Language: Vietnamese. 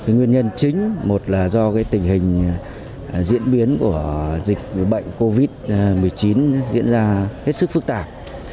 nguyên nhân chính một là do tình hình diễn biến của dịch bệnh covid một mươi chín diễn ra hết sức phức tạp